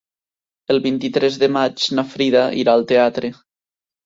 El vint-i-tres de maig na Frida irà al teatre.